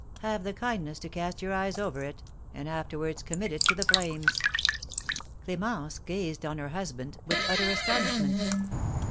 Have the kindness to cast your eyes over it, and afterwards commit it to the flames." Clémence gazed on her husband with utter astonishment.